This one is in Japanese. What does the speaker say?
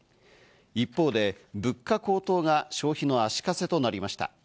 一方で、物価高騰が消費の足かせとなりました。